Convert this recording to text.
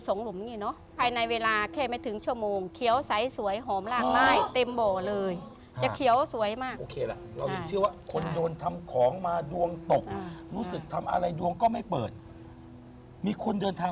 ใช่หลุมละ๕ลูเลยจะมี๒หลุมอย่างนี้เนอะ